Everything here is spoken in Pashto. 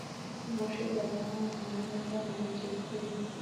غوښې د افغان ځوانانو لپاره دلچسپي لري.